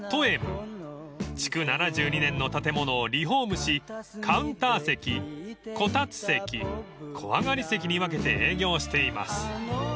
［築７２年の建物をリフォームしカウンター席こたつ席小上がり席に分けて営業しています］